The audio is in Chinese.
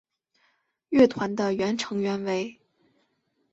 乐团的原成员为。